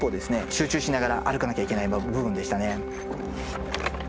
集中しながら歩かなきゃいけない部分でしたね。